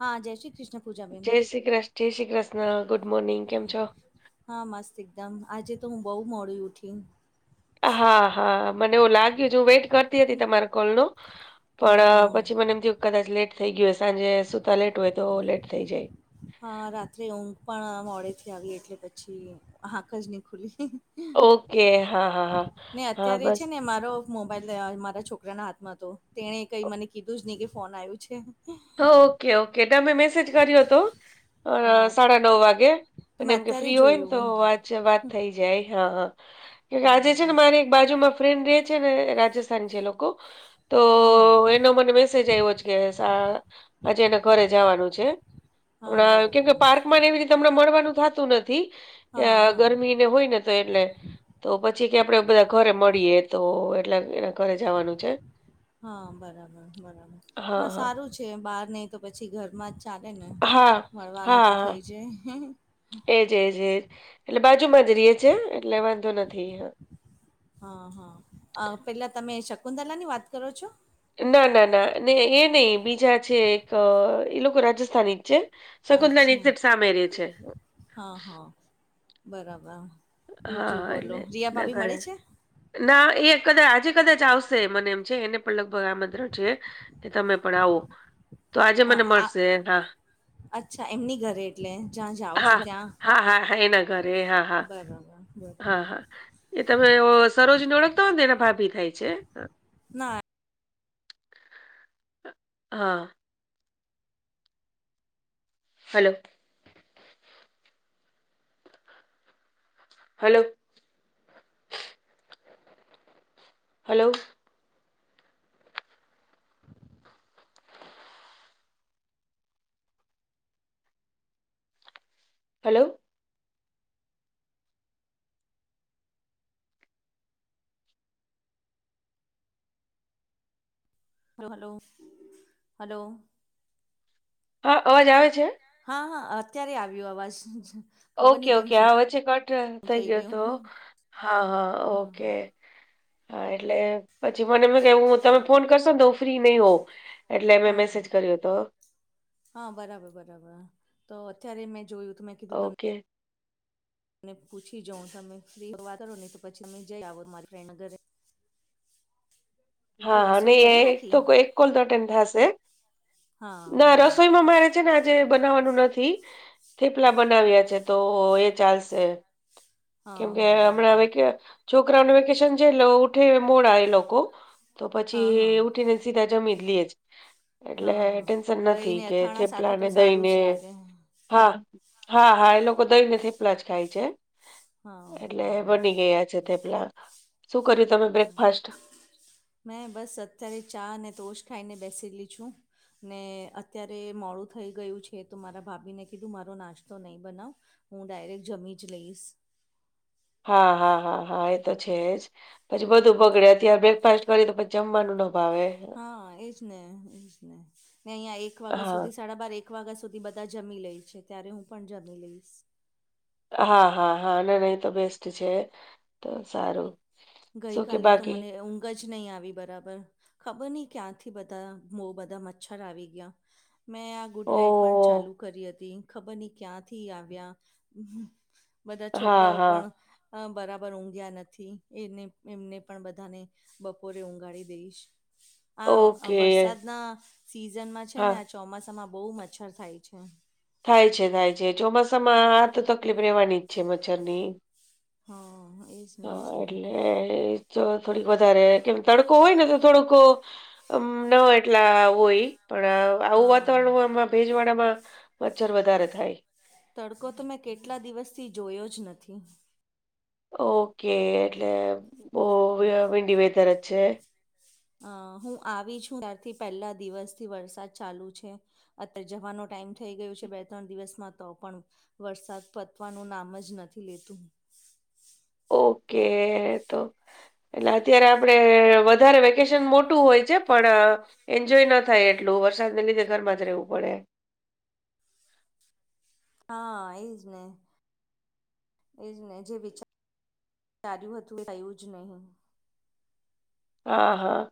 હા જય શ્રી કૃષ્ણ પૂજાબેન જય શ્રી કૃષ્ણ, જય શ્રી કૃષ્ણ, ગુડ મોર્નિંગ કેમ છો? હા, મસ્ત એકદમ આજે તો હું બહુ મોડી ઉઠી. હા, હા મને એવું લાગ્યું છે, હું વેઇટ કરતી હતી તમારા કોલ નો. હા હા પણ પછી મને એમ થયું કદાચ લેટ થઈ ગયું હોય, સાંજે સુતા લેટ હોય તો લેટ થઈ જાય. હા રાત્રે ઊંઘ પણ મોડે થી આવી એટલે પછી આાંખ જ નહી ખુલી. ઓકે હા હા હા ને હા અત્યારે બસ. છે ને મારો મોબાઈલ મારા છોકરાના હાથમાં તો તેને કઈ મને કીધું જ નહી કે ફોન આવ્યું છે. ઓકે ઓકે તમે મેસેજ કર્યો હતો અ હા સાડા નવ વાગે તો અને મેં એમ કે અત્યારે ફ્રી હોય ને તો જોયું વાત વાત થઈ જાય હા કે આજે છે ને બરાબર મારે બાજુમાં ફ્રેન્ડ રે છે ને રાજસ્થાન છે લોકો તો હા હા એનો મને મેસેજ આવ્યો છે. આ આજે એના ઘરે જવાનું છે હા હમણાં કેમ બરાબર પાર્કમાં એવી રીતે તમને મળવાનું થાતું નથી અ હા હા ગરમીને હોય ને તો એટલે તો પછી કે આપડે બધા ઘરે મળીએ તો એટલા એના ઘરે જવાનું છે હા બરાબર બરાબર હા સારું છે બહાર નહી તો પછી ઘરમાં જ ચાલે ને હા, મળવાનું હા, તો હા. થઈ જાય એજ, એજ એટલે બાજુમાં જ રહીએ છે એટલે વાંધો નથી. હા, હા અ પેલા તમે શકુંતલાની વાત કરો છો? ના, ના એ નહી બીજા છે એક એ લોકો રાજસ્થાની જ છે. શકુંતલાની અચ્છા એકક્ઝટ સામે રહે છે. હા, હા બરાબર બીજું હા બોલો એટલે રિયા ભાભી નગળે મળે છે? ના, એ કદાચ આજે કદાચ આવશે મને એમ છે, એને પણ લગભગ આમંત્રણ છે તમે પણ આવો તો આજે અ, મને આ મળશે, હા. અચ્છા એમની ઘરે એટલે જ્યાં જાઓ છો હા ત્યાં હા હા હા એના ઘરે હા હા બરાબર. હા, બરાબર હા એ તમે સરોજને ઓળખતા હો ને એના ભાભી થાય છે. ના. હા. Hello. Hello. Hello. Hello. Hello, hello, hello. હા, અવાજ આવે છે? હા, હા અત્યારે આવ્યો અવાજ. ખબર ઓકે, નહી કેમ ઓકે શું આવે વચ્ચે કટ થઇ થઈ ગયો ગયું તો, હા હા, હા ઓકે. હા હા, એટલે પછી મને એ કે હું તમે ફોન કરશો ને હું ફ્રી નહી હોઉ. એટલે મે હા મેસેજ હા કર્યો હતો. હા, બરાબર, બરાબર તો અત્યારે મેં જોયું હતું મેં ઓકે. અને પૂછી જોવ તમે ફ્રી વાત કરો, રહી તો પછી તમે જઈ આવો મારી ફ્રેન્ડ અ ઘરે બીજું હા, રસોઈ નહી કરી એક નાખી તો કોએક કોલ તો અટેન થશે હા ના હા રસોઈમાં મારે આજે બનાવવાનું નથી થેપલા બનાવ્યા છે, તો એ ચાલશે. હા કેમકે હા હમણાં બરાબર વેકે છોકરાને વેકેશન જ ઉઠે મોડા એ લોકો તો હા હા પછી ઉઠીને સીધા જમી જ લઈએ. જ એટલે હા હા ટેન્શન નથી દહીને કે અથાણા સાથે થેપલા તો ને સારું દઈને જ લાગે હા, હા એ લોકો દહી ને થેપલા જ ખાય છે. હા એટલે બરાબર બની ગયા છે, તે થેપલા શું કર્યું તમે હમ. બ્રેકફાસ્ટ? મેં બસ અત્યારે ચા અને ટોશ ખાઈને બેસેલી છું. ને અત્યારે મોડું થઈ ગયું છે તો મારા ભાભીને કીધું મારો નાસ્તો નહીં બનાવે. હું ડાયરેક્ટ જમી જ લઈશ. હા, હા એ તો છે જ પછી બધું બગડે અત્યારે બ્રેકફાસ્ટ કરી તો પછી જમવાનું ન ભાવે હા, એજ ને એજ ને હં એક વાગ્યા હા સુધી સાડા-બાર એક એક વાગ્યા સુધી બધા જમી લઈ છે, ત્યારે હું પણ જમી લઈશ. હા, હા એ તો બેસ્ટ છે, તો સારું. ગઈ શું કે કાલે તો બાકી મને ઊંઘ જ નહી આવી બરાબર. ખબર નહી ક્યાંથી બધા બો બધા મચ્છર આવી ગયા. મેં આ ગુડ નાઈટ પણ ઓહ ચાલુ કરી હતી ખબર નહી ક્યાંથી આવ્યા. બધા હા છોકરાઓ હા પણ બરાબર ઊંઘ્યા નથી. એને એમને પણ બધાને બપોરે ઊંઘાડી દઈશ. આ ઓકે વરસાદના સિઝનમાં છે હા ને આ ચોમાસામાં બહુ મચ્છર થાય છે. થાય છે, થાય છે ચોમાસામાં આ તો તકલીફ રેહવાની જ છે, મચ્છરની. હા એ જ ને એ તો જ ને એટલે જો થોડીક વધારે કેમ તડકો હોય ને તો થોડુંક ન હો એટલા હોય. પણ આવું હા વાતાવરણ આમાં ભેજવાળામાં મચ્છર વધારે થાય. તડકો તો મેં કેટલા દિવસથી જોયો જ નથી. ઓકે એટલે બહુ વીંડી વેધર જ છે. અ હું આવી છું ત્યારથી પેહલા દિવસથી વરસાદ ચાલુ છે. અત્યારે જવાનો ટાઈમ થઈ ગયયો છે બે ત્રણ દિવસમાં તો પણ વરસાદ પતવાનું નામ જ નથી લેતું. ઓકે, તો એટલે અત્યારે આપડે વધારે વે કેશન મોટું હોય છે પણ એન્જોય ન થાય એટલું વરસાદને લીધે ઘરમાં જ રહેવું પડે. હા એજ ને. એ જ ને જે વિચાર ચાર્યું હતું એ થયું જ નહી. અ હા.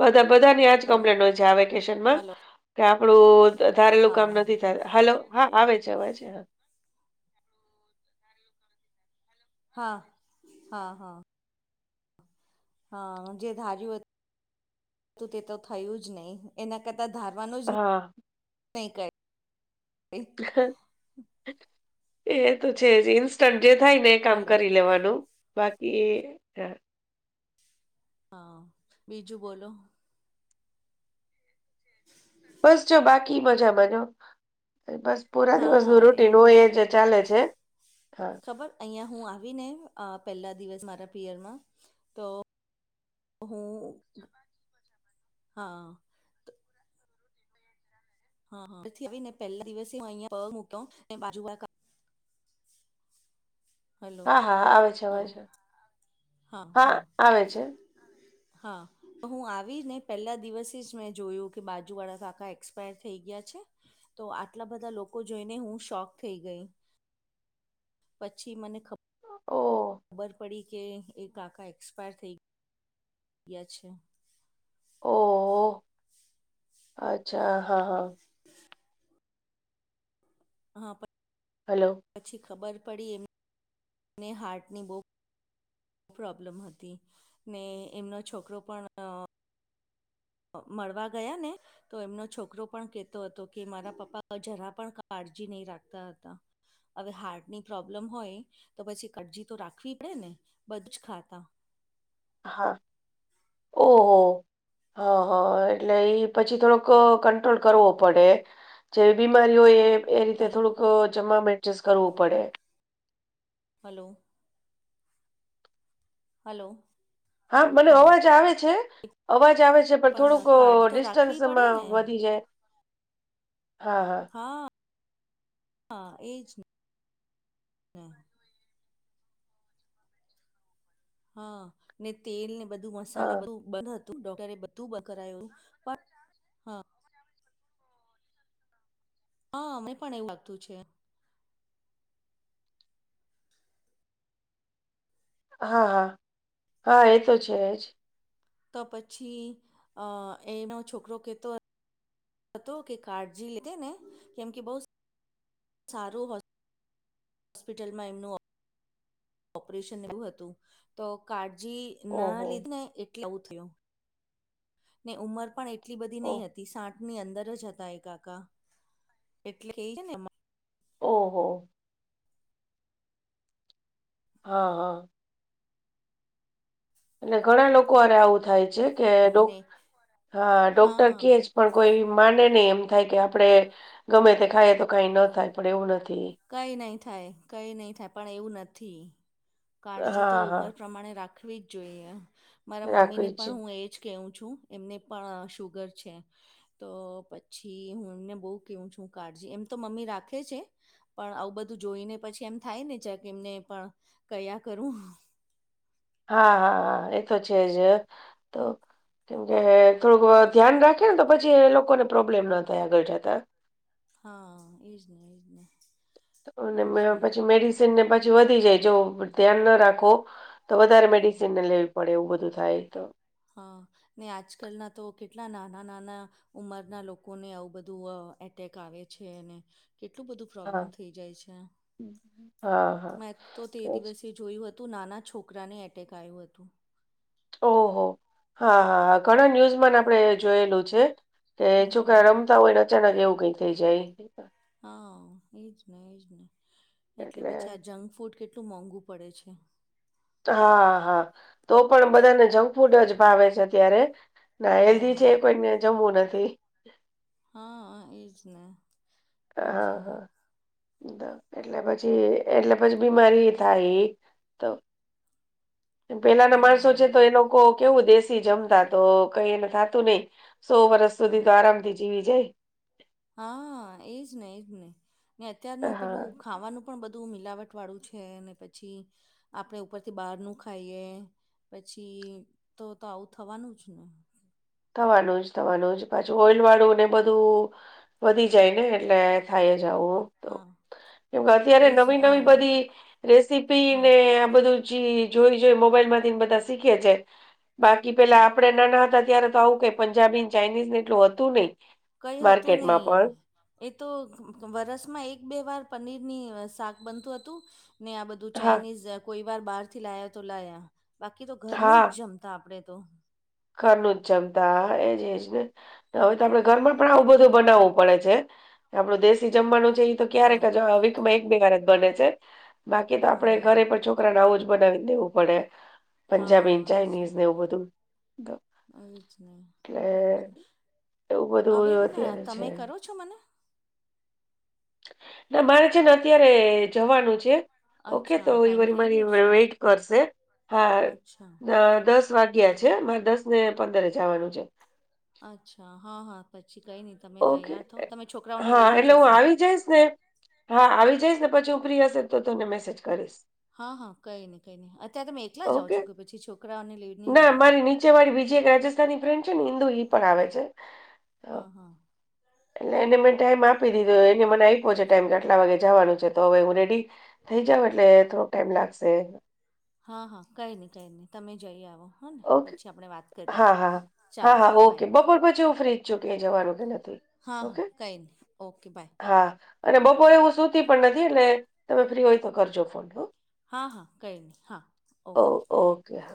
બધા બધાની આજ હલો કમ્પ્લેન હોય છે આ વેકેશનમાં, હલો કે આપડું ધારેલું કામ હા નથી થા હલો હા આવે છે અવાજ હા. હા, હા હા. હા જે ધાર્યું હતું તે તો થયું જ નહી. એના કરતાં ધારવાનું જ નહી કઈ. એ તો છે જ ઇન્સ્ટન્ટ જે થાય ને એ કામ હાલો કરી લેવાનું. બાકી હા બીજું બોલો. બસ જો બાકી મજામાં નો બસ પુરા હા દિવસનું રૂટન એજ હોય એ જ ચાલે છે. હા ખબર અહિયા હું આવી અ ને પેહલા દિવસ મારા પિયરમાં તો હું, હા. હ હ થી આવી ને પેહલા દિવસે હું અંયા પગ મૂક્યો ને બાજુ વાળા હલો હા હા આવે છે હલો, અવાજ હા હા. આવે છે. હા. હું આવી ને પેહલા દિવસે જ મેં જોયું કે બાજુ વાળા કાકા એક્સપાયર થઈ ગયા છે. તો આટલા બધા લોકો જોઈને હું શોક થઈ ગઈ. પછી મને ખ ઓ! બર પડી કે એક કાકા એક્સપાયર થઇ ગ્યા છે. ઓહો અચ્છા હા હા. [inaudible] હ પ હલો. પછી ખબર પડી એમને હાર્ટની બો પ્રોબ્લેમ હતી ને એમનો છોકરો પણ. મળવા ગયા ને તો એમનો છોકરો પણ કેહેતો હતો કે મારા પપ્પા જરા પણ કાળજી નહીં રાખતા હતા. હવે હાર્ટની પ્રોબ્લેમ હોય તો પછી કટજી તો રાખવી પડે ને, બધું જ ખાતા. હા ઓહો! હહ હહ એટલે ઈ પછી થોડોક અ કંટ્રોલ કરવો પડે. જેવી બીમારી હોય એ એ રીતે હલો થોડુંક જમવામાં એડજસ્ટ કરવું પડે. હલો હલો હા મને અવાજ આવે છે. અવાજ આવે છ છે પણ થોડુંક અ કાળજી તો રાખવી પડે ડિસ્ટન્સમાં ને વધી જાય. હા હા હા હા એજ ને. હા હા ને તેલને બધું મસાલા હા. બધું. બંધ હતું ડોક્ટરે બધું બંધ કરાયું તું પણ હા. હા, મેં પણ એવું લાગતું છે. હા હા હા એતો છે જ. તો પછી અ એનો છોકરો કેતો હતો કે કાળજી લીધી ને કેમ કે બહુ સારું હોસ્ હોસ્પિટલમાં એમનું ઓપરેશન એવું હતું તો કાળજી એના ઓહો લીધે એટલે આવું થયું, ને ઉંમર પણ એટલી બધી ઓહ નહી હતી સાઠ ઠ ની અંદર જ હતા એ કાકા. એટલે ઈ હેને ઓહો! હહ હહ એટલે ઘણા લોકો હારે આવું થાય છે, કે ડો મમ્મીને હા ડોક્ટર હા કે પણ કોઈ માને નહીં એમ થાય કે આપડે ગમે તે ખાઈએ તો કંઈ ન થાય પણ એવું નથી. કંઈ નહી થાય, કઈ નહીં થાય પણ એવું નથી. કાળજી તો હા હા ઉંમર પ્રમાણે રાખ રાખવી જ જોઈએ. મારા મમ્મીને રાખવી જ પણ છે. હું એજ કેઉ છું, એમને પણ શુગર છે. તો પછી હું એમને બહુ કેવું છું, કાળજી એમ તો મમ્મી રાખે છે. પણ આવું બધું જોઈને પછી એમ થાય ને જરાક એમને પણ કર્યા કરું. હા, હા, હા એતો છે જ તો. કેમ કે થોડુંક ધ્યાન રાખીએ નેતો પછી એ લોકોને પ્રોબ્લેમ ના થાય આગળ જાતા. હા એજ ને, એજ ને. અને એજ ને પછી મેડિસનને પછી વધી જાય, જો ધ્યાન ન રાખો. તો વધારે હા મેડિસીનને લેવી પડે એવું બધું થાય તો. હહ, ને આજકલના તો કેટલા નાના નાના ઉંમરના લોકોને આવું બધું એટેક આવે છે. અને કેટલું બધું હા પ્રોબ્લમ થઈ જાય છે. હમ. હા હા મેં તો તે એ જ. દિવસે જોયું હતું નાના છોકરાને એટેક આયું હતું. ઓહો! હા, હા ઘણા ન્યૂઝમાં ને આપણે જોયેલું છે. કે છોકરા હમ. રમતા હોય ને અચાનક એવું કંઈક થઇ જાય. હા એજ ને, એજ ને એટલે પછી આ જંકફૂડ કેટલું મોંઘું. પડે છે. હા, હા તો પણ બધાને જંકફૂડ જ ભાવે છે અત્યારે. ને હેલ્ધી હા. છે એ કોઈકને જમવું નથી. હા હા એજને. આ હા હા એટલે પછી એટલે પછી બીમારી થાય તો પેલા ના હા. માણસો છે તો એ લોકો કેવું દેશી જમતા તો કઈ એને થ - નહી સો વર્ષ સુધી હા. તો આરામથી જીવી જાય. હા એજ ને એજ નહીં અત્યારનું હા પેલું ખાવાનું, પણ બધું મિલાવટ વાળું છે, ને પછી આપણે ઉપરથી બહારનું ખાઈએ. પછી તો તો આવું થવાનું જ ને. થવાનું જ, થવાનું જ પાછું ઓઇલવાળું ને એ બધું વધી જાય ને એટલે થાય જ આવું. તો હા કેમ કે અત્યારે એજ નવી હા નવી બધી હા રેસીપીને આ બધું પછી જોઈ જોઈ મોબાઈલમાંથી ને બધા શીખે એજ જાય. બાકી પેલા હા આપડે નાના હતા ત્યારે પંજાબીને, ચાઈનીઝને એટલું હતું નહી. કંઈ હતું માર્કેટમાં નહી. પણ એતો વરસમાં એક બે વાર પનીર ની શાક બનતું હતું નેઆ બધું. બધું હા ચાઇનીઝ કોઈ વાર બહાર થી લાયા તો લાયા બાકી તો ઘરનું જ હા જમતા આપડે તો, ઘરનું જમતા એજજ ને, હવે તો આપણે ઘરમાં પણ આવું બધું બનાવવું પડે છે, આપડું દેશી જમવાનું છે, એ ક્યારેક હા વીક એક બે વાર જ બને છે. બાકી તો આપ હા હા ઘરે - પણ આવું જ બનાવી દેવું પડે પંજાબી ને હા ચાઇનીઝ ને એવું બધું- એ જ ને એટલે એ જને એવું બધું હવે હને અત્યારે તમે છે. કરો છો મને- ના મારે છે ને અત્યારે જવાનું છે ઓકે અચ્છા તો એ ટાઈમ વા થઈ મારી ગયો છે વેઇટ- કરશે હા અચ્છા દસ વાગ્યા છે મામાં દસ ને પંદરે જવાનું છે. અચ્છા હા હા પછી કઈ નહી તમે તૈયાર થો તમે છોકરાઓને લઈને જશો. જય છે. હા આવી જઈશ ને પછી હું ફ્રી હશે તો તને મેસેજ કરીશ. હા હા કઈ નઈ કઈ નહી અત્યારે તમે એકલા જાઓ ઓકે છો કે પછી છોકરાઓ અને લેડ નહી જાઓ છો. અમારી બીજી એક રાજસ્થાની ફ્રેન્ડ છે ને હિન્દુ ઈ પણ આવે છે. હા હા એટલે એને મેં ટાઈમ આપી દીધો એને મને આપ્યો છે ટાઈમ કે આટલા વાગે જવાનું છે તો હવે હું રેડી થઈ જાવ એટલે થોડોક ટાઈમ લાગશે. હા હા કંઈ નહીં કંઈ નહીં તમે જઈ આવો- હ ને ઓકે. પછી આપણે વાત કરીએ હા હા હા ચાલ હા ઓકે બાય- બપોર પછી હું ફ્રી જ છું ક્યાંય જવાનું કે નથી હા હા ઓકે કઈ નહી ઓકે બાય- હા અને બપોરે એવું સુતી પણ નથી એટલે તમે ફ્રી હોય તો કરજો ફોન તો- હા હા કઈ નહીં હા ઓ- ઓકે- હા